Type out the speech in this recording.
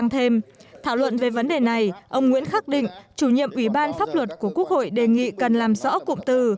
thảo luận về vấn đề này ông nguyễn khắc định chủ nhiệm ủy ban pháp luật của quốc hội đề nghị cần làm rõ cụm từ